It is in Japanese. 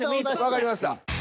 わかりました。